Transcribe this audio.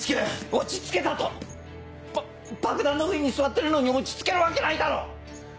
落ち着けだと⁉ば爆弾の上に座ってるのに落ち着けるわけないだろ！